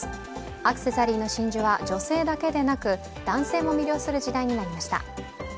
アクセサリーの真珠は女性だけでなく男性も魅了するじだいになりました。